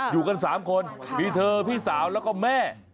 อยู่กัน๓คนมีเธอพี่สาวแล้วก็แม่